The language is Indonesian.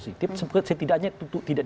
positif setidaknya untuk tidak